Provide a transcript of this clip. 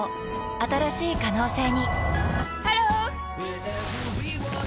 新しい可能性にハロー！